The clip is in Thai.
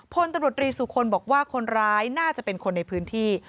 พลตำรวจรีสุคลบอกว่าคนร้ายน่าจะเป็นคนในพื้นที่